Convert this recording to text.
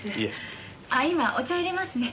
あっ今お茶入れますね。